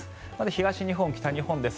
東日本、北日本です。